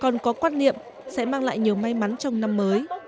còn có quan niệm sẽ mang lại nhiều may mắn trong năm mới